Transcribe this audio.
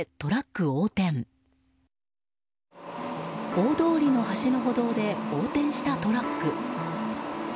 大通りの端の歩道で横転したトラック。